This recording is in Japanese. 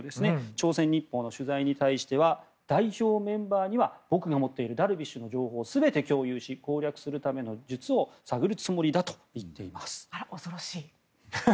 朝鮮日報の取材に対しては代表メンバーには僕が持っているダルビッシュの情報を全て共有し、攻略するための術を探るつもりだと恐ろしい。